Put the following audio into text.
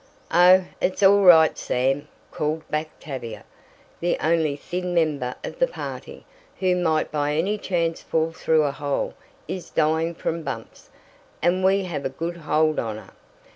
"Oh, it's all right, Sam," called back Tavia, "the only thin member of the party, who might by any chance fall through a hole, is dying from bumps, and we have a good hold on her.